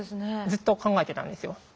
ずっと考えてたんですよ。